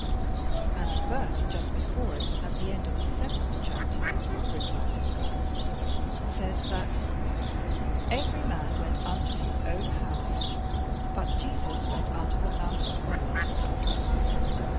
"And the verse just before it, at the end of the seventh chapter," replied her governess, "says that 'every man went unto his own house,' but 'Jesus went unto the Mount of Olives.'